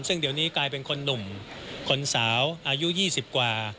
ซึ่งเดี๋ยวนี้กลายเป็นคนหนุ่มคนสาวอายุ๒๐กว่า